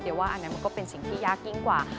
เดี๋ยวว่าอันนั้นมันก็เป็นสิ่งที่ยากยิ่งกว่า